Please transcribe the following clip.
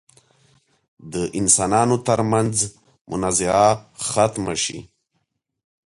د انسانانو تر منځ منازعه ختمه شي.